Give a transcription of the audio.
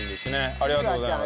ありがとうございます。